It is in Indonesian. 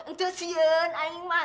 ntar siun aing mah